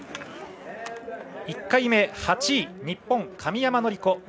１回目、８位日本、神山則子。